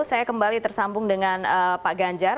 saya kembali tersambung dengan pak ganjar